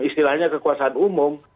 istilahnya kekuasaan umum